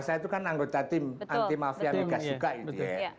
saya itu kan anggota tim anti mafia migas juga gitu ya